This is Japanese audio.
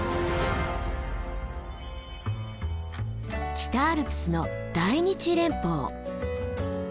北アルプスの大日連峰。